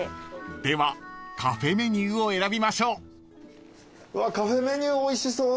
［ではカフェメニューを選びましょう］わカフェメニューおいしそう。